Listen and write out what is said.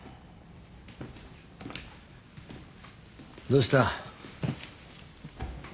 どうした？